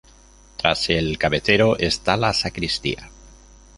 Tras el cabecero está la sacristía.